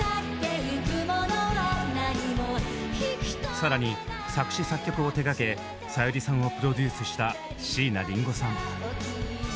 更に作詞作曲を手がけさゆりさんをプロデュースした椎名林檎さん。